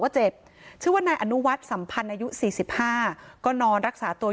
ชื่อว่านายอนุวัฒน์สัมพันธ์อายุ๔๕ก็นอนรักษาตัวอยู่